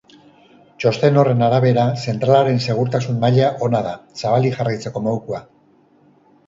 Txosten horren arabera, zentralaren segurtasun maila ona da, zabalik jarraitzeko modukoa.